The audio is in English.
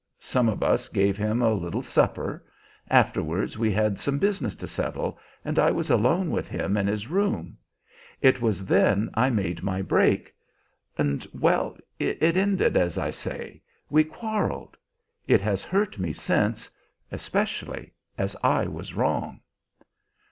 Some of us gave him a little supper. Afterwards we had some business to settle and I was alone with him in his room. It was then I made my break; and well, it ended as I say: we quarreled. It has hurt me since, especially as I was wrong."